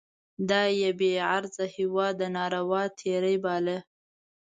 دا یې پر بې غرضه هیواد ناروا تېری باله.